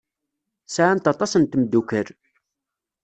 Sɛant aṭas n tmeddukal.